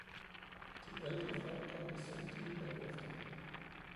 De ældre folk kom besindige bag efter